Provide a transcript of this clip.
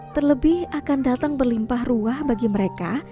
terlebih akan datang berlimpah ruah bagi mereka